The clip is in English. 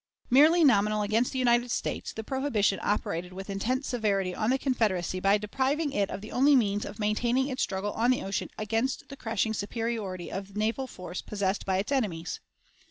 Merely nominal against the United States, the prohibition operated with intense severity on the Confederacy by depriving it of the only means of maintaining its struggle on the ocean against the crashing superiority of naval force possessed by its enemies.